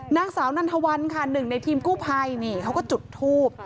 นางสาวนันทวันค่ะหนึ่งในทีมกู้ภัยนี่เขาก็จุดทูบ